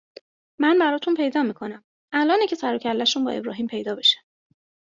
من براتون پیدا میکنم. الآنه که سروکلهشون با ابراهیم پیدا بشه